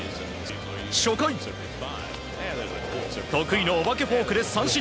初回得意のお化けフォークで三振。